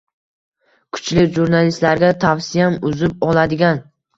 Kuchli jurnalistlarga tavsiyam - uzib oladigan